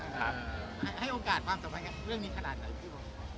ให้โอกาสบ้างสำหรับเรื่องนี้ขนาดไหนพี่บอม